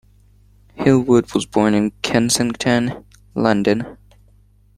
Hill-Wood was born in Kensington, London.